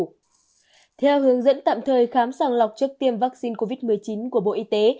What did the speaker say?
theo hướng dẫn tạm thời khám sàng lọc trước tiêm vaccine covid một mươi chín của bộ y tế